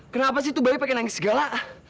kenapa sih tuh bayi pake nangis segala